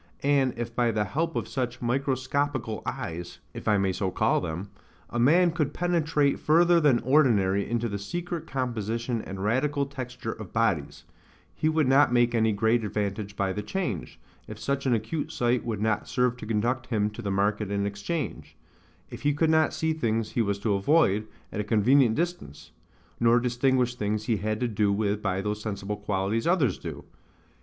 And if by the help of such MICROSCOPICAL EYES (if I may so call them) a man could penetrate further than ordinary into the secret composition and radical texture of bodies, he would not make any great advantage by the change, if such an acute sight would not serve to conduct him to the market and exchange; if he could not see things he was to avoid, at a convenient distance; nor distinguish things he had to do with by those sensible qualities others do.